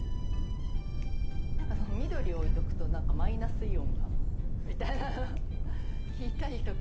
何か緑を置いとくと何かマイナスイオンがみたいな聞いたりとか。